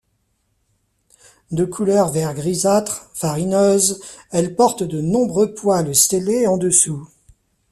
De couleur vert grisâtre, farineuses, elles portent de nombreux poils stellés en dessous.